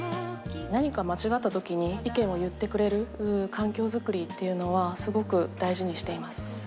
何か間違ったときに意見を言ってくれる環境作りっていうのは、すごく大事にしています。